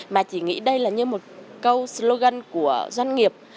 mà chỉ nghĩ đây là như một câu slogan của doanh nghiệp